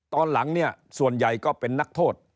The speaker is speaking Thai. ตอนหลังเนี่ยส่วนใหญ่ก็เป็นนักโทษ